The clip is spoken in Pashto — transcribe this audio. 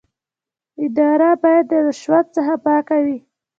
اداره باید د رشوت څخه پاکه وي.